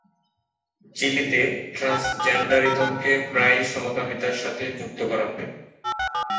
চিলিতে, ট্রান্সজেন্ডারিজমকে প্রায়ই সমকামিতার সাথে যুক্ত করা হয়।